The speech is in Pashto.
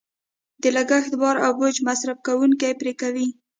د لګښت بار او بوج مصرف کوونکې پرې کوي.